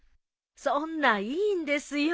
そんないいんですよ。